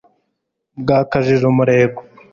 bwakajije umurego